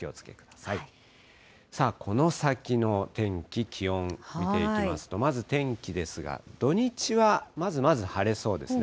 さあ、この先の天気、気温見ていきますと、まず天気ですが、土日はまずまず晴れそうですね。